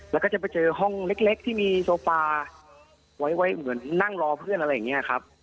แล้วก็จะไปเจอห้องเล็กที่มีโซฟาไว้เหมือนนั่งรอเพื่อนอะไรอย่างนี้ครับ